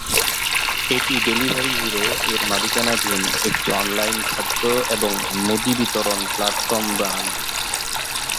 এটি Delivery Hero এর মালিকানাধীন একটি অনলাইন খাদ্য এবং মুদি বিতরণ প্ল্যাটফর্ম ব্র্যান্ড।